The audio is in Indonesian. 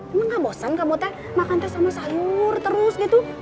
emang gak bosan kabut teh makan teh sama sayur terus gitu